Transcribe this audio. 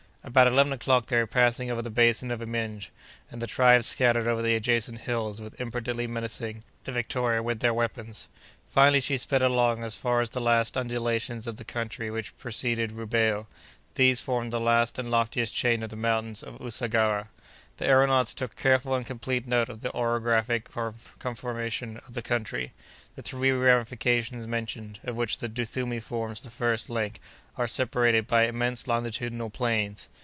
About eleven o'clock they were passing over the basin of Imenge, and the tribes scattered over the adjacent hills were impotently menacing the Victoria with their weapons. Finally, she sped along as far as the last undulations of the country which precede Rubeho. These form the last and loftiest chain of the mountains of Usagara. The aëronauts took careful and complete note of the orographic conformation of the country. The three ramifications mentioned, of which the Duthumi forms the first link, are separated by immense longitudinal plains.